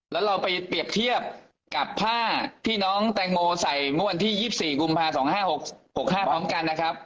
แล้วเราไปเปรียบเทียบกับผ้าที่น้องแตงโมใส่เมื่อวันที่๒๔กุมภา๒๕๖๕พร้อมกันนะครับ